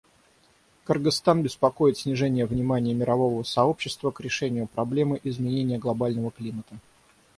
Кыргызстан беспокоит снижение внимания мирового сообщества к решению проблемы изменения глобального климата.